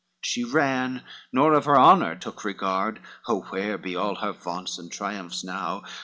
XXXVIII She ran, nor of her honor took regard, Oh where be all her vaunts and triumphs now?